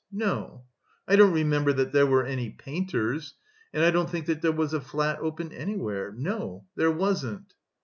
no, I don't remember that there were any painters, and I don't think that there was a flat open anywhere, no, there wasn't."